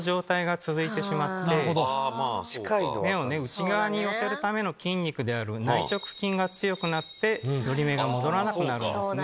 目を内側に寄せるための筋肉である内直筋が強くなって寄り目が戻らなくなるんです。